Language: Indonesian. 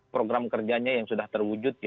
program kerjanya yang sudah terwujud